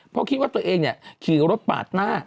เพราะคิดว่าตัวเองขี่รถปาดหน้า